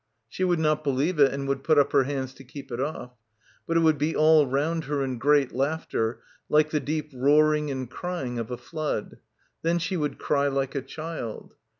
She would not believe it and would put up her hands to keep it off. But it would be all round her in great laughter, like the deep roaring and crying of a flood. Then she would cry like a child.